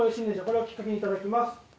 これをきっかけに頂きます